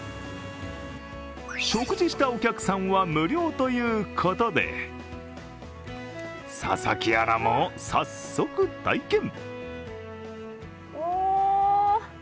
食事したお客さんは無料ということで、佐々木アナも早速体験。